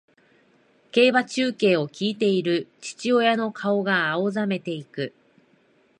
競馬中継を聞いている父親の顔が青ざめていく